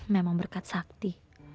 memang berkat sakti